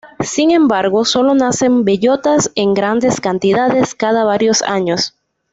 Sin embargo, solo nacen bellotas en grandes cantidades cada varios años.